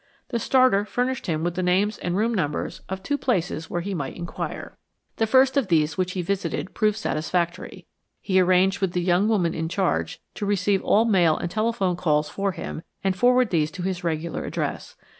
The starter furnished him with the names and room numbers of two places where he might inquire. The first of these which he visited proved satisfactory. He arranged with the young woman in charge to receive all mail and telephone calls for him and forward these to his regular address.